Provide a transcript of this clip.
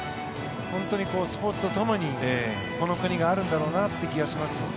本当にスポーツとともにこの国があるんだろうなという気がします。